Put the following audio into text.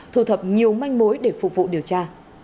thu thập nhiều manh mối để phục vụ điều tra